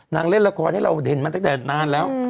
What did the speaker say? เล่นละครให้เราเห็นมาตั้งแต่นานแล้ว